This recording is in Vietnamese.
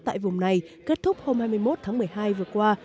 tại vùng này kết thúc hôm hai mươi một tháng một mươi hai vừa qua